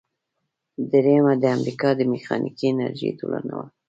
دریمه د امریکا د میخانیکي انجینری ټولنه وه.